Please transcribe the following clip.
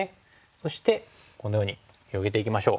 そしてこのように広げていきましょう。